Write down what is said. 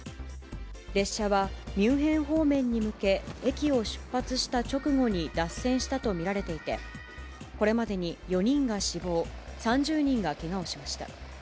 列車はミュンヘン方面に向け、駅を出発した直後に脱線したと見られていて、これまでに４人が死亡、３０人がけがをしました。